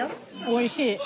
おいしい。